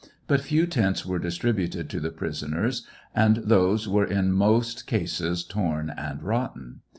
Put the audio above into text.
But few tents were distributed to the prisoners, and those were in most eases torn and rotten.